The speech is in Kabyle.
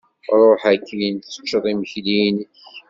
Ṛuḥ akkin, teččeḍ imekli-inek.